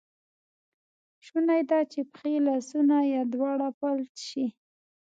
شونی ده چې پښې، لاسونه یا دواړه فلج شي.